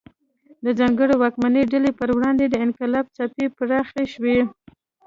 د ځانګړې واکمنې ډلې پر وړاندې د انقلاب څپې پراخې شوې.